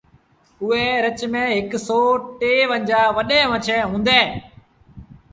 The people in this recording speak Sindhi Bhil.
اُئي رڇ ميݩ هڪ سئو ٽيونجھآ وڏيݩٚ مڇيٚنٚ هُنٚدينٚ